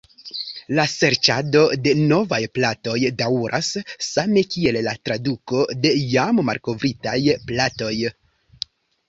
La serĉado de novaj platoj daŭras, same kiel la traduko de jam malkovritaj platoj.